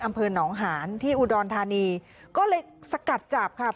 อำเภอหนองหานที่อุดรธานีก็เลยสกัดจับค่ะ